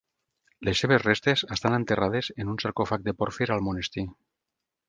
Les seves restes estan enterrades en un sarcòfag de pòrfir al monestir.